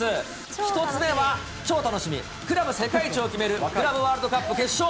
１つ目は、クラブ世界一を決める、クラブワールドカップ決勝。